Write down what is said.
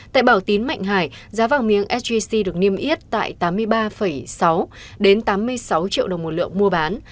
tại bảo tín mạnh hải giá vàng miếng sgc được niêm yết tại tám mươi ba sáu tám mươi sáu triệu đồng một lượng mua bán